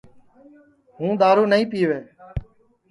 ہُوں دؔارو نائی پِیوے